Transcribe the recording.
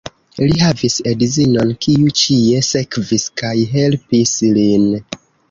Li havis edzinon, kiu ĉie sekvis kaj helpis lin.